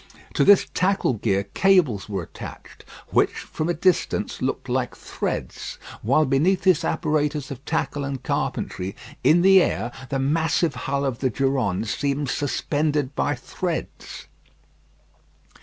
To this tackle gear cables were attached, which from a distance looked like threads; while beneath this apparatus of tackle and carpentry, in the air, the massive hull of the Durande seemed suspended by threads.